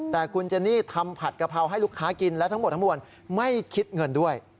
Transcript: แต่คุณเจนี่ทำผัดกะเพราให้ลูกค้ากินและทั้งหมดทั้งมวลไม่คิดเงินด้วย